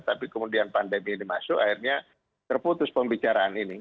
tapi kemudian pandemi ini masuk akhirnya terputus pembicaraan ini